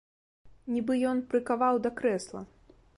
Нібы ён прыкаваў да крэсла.